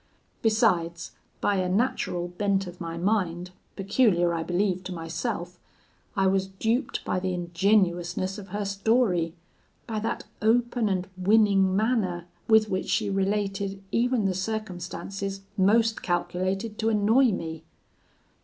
Besides, by a natural bent of my mind, peculiar I believe to myself, I was duped by the ingenuousness of her story by that open and winning manner with which she related even the circumstances most calculated to annoy me.